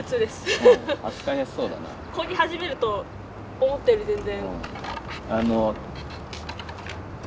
こぎ始めると思ったより全然。